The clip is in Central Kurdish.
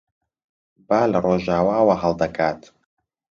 با لە ڕۆژاواوە هەڵدەکات.